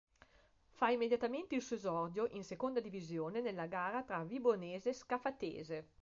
Fa immediatamente il suo esordio in Seconda Divisione, nella gara tra Vibonese-Scafatese.